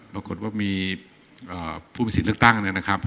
ปรากฏว่ามีผู้มีสิทธิ์เลือกตั้งเนี่ยนะครับ